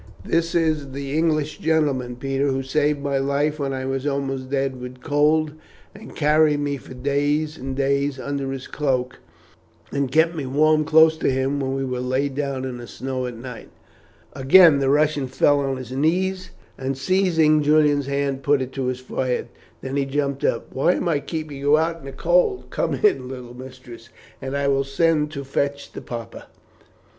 This is the English gentleman, Peter, who saved my life when I was almost dead with cold, and carried me for days and days under his cloak, and kept me warm close to him when we lay down in the snow at night." Again the Russian fell on his knees, and seizing Julian's hand, put it to his forehead. Then he jumped up, "Why am I keeping you out in the cold?" he said. "Come in, little mistress, and I will send to fetch the papa."